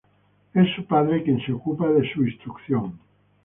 Es su padre quien se ocupa de su instrucción.